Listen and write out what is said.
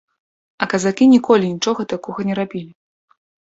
А казакі ніколі нічога такога не рабілі.